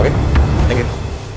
oke terima kasih